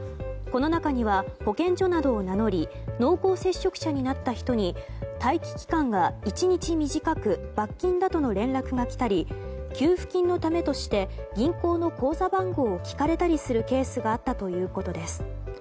この中には保健所などを名乗り濃厚接触者になった人に待機期間が１日短く罰金などの連絡が来たり給付金のためとして銀行の口座番号を聞かれたりするケースがあったということです。